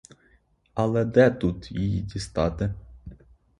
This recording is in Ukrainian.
Але де тут її дістати?